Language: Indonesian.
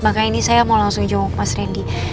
makanya ini saya mau langsung jawab mas randy